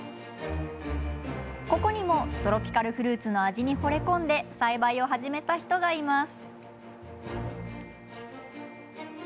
ここにも、トロピカルフルーツの味にほれ込んで栽培を始めた人がいます。